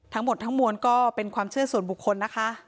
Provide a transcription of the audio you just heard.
ทั้งหมดทั้งมวลก็เป็นความเชื่อส่วนบุคคลนะคะ